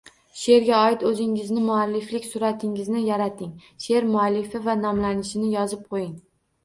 Sheʼrga oid o‘zingizning mualliflik suratlaringizni yarating, sheʼr muallifi va nomlanishini yozib qo‘ying.